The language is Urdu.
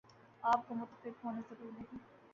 آپ کا متفق ہونا ضروری نہیں ۔